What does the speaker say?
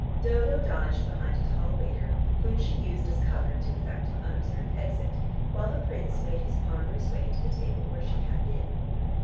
Dodo dodged behind a tall waiter, whom she used as cover to effect an unobserved exit, while the Prince made his ponderous way to the table where she had been.